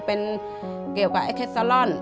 เป็นเกี่ยวกับไอ้เทสซาลอน